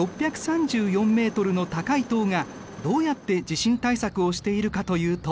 ６３４ｍの高い塔がどうやって地震対策をしているかというと。